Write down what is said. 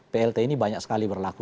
plt ini banyak sekali berlaku